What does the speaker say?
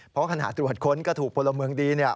เพราะขณะตรวจค้นก็ถูกพลเมืองดี